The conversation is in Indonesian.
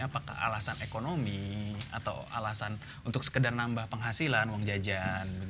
apakah alasan ekonomi atau alasan untuk sekedar nambah penghasilan uang jajan